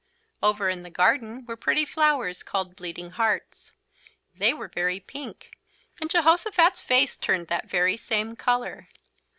Over in the garden were pretty flowers called Bleeding Hearts. They were very pink, and Jehosophat's face turned the very same colour.